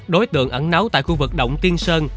đối tượng ẩn nấu tại khu vực động tiên sơn